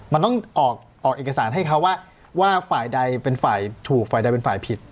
มันต้องออกเอกสารให้เขาว่าฝ่ายใดเป็นฝ่ายถูกฝ่ายใดเป็นฝ่ายผิด